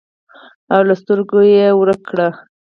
او له سترګو یې ورک کړ.